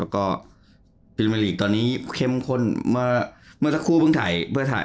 แล้วก็พรีเมอร์ลีกตอนนี้เข้มข้นเมื่อสักครู่เพิ่งถ่ายเพื่อถ่าย